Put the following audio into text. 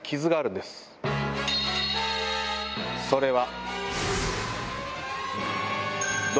それは。